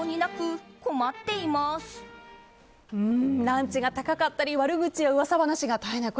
ランチが高かったり悪口や噂話が絶えない。